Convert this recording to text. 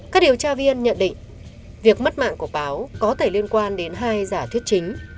các điều tra viên nhận định việc mất mạng của báo có thể liên quan đến hai giả thuyết chính